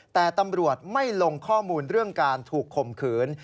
แต่ตำรวจไม่ลงข้อมูลเรื่องการถูกข่มขืน